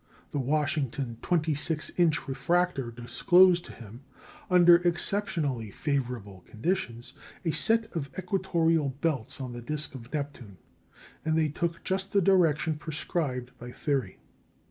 The Washington 26 inch refractor disclosed to him, under exceptionally favourable conditions, a set of equatorial belts on the disc of Neptune, and they took just the direction prescribed by theory.